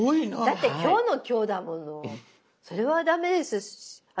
だって今日の今日だもの。それは駄目です。